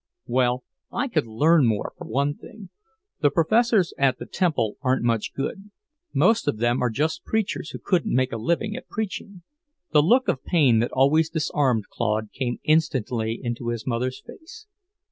"Well, I could learn more, for one thing. The professors at the Temple aren't much good. Most of them are just preachers who couldn't make a living at preaching." The look of pain that always disarmed Claude came instantly into his mother's face.